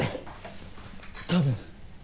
多分。